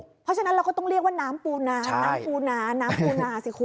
เพราะฉะนั้นเราก็ต้องเรียกว่าน้ำปูนาน้ำปูนาน้ำปูนาสิคุณ